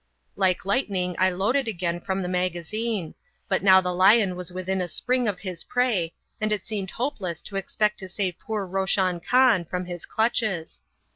Like lightning I loaded again from the magazine, but now the lion was within a spring of his prey, and it seemed hopeless to expect to save poor Roshan Khan from his clutches.